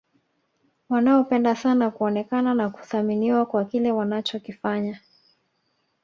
wanaopenda sana kuonekana na kuthaminiwa kwa kile wanachokifanya